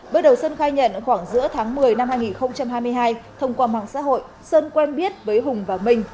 bước đầu sơn khai nhận khoảng giữa tháng một mươi năm hai nghìn hai mươi hai thông qua mạng xã hội sơn quen biết với hùng và minh